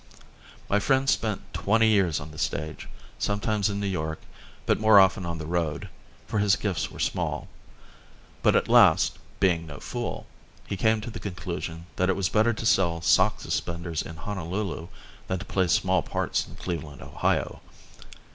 My friend spent twenty years on the stage, sometimes in New York, but more often on the road, for his gifts were small; but at last, being no fool, he came to the conclusion that it was better to sell sock suspenders in Honolulu than to play small parts in Cleveland, Ohio.